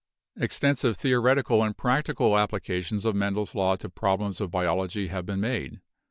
Extensive theoretical and practical applications of Men del's law to problems of biology have been made.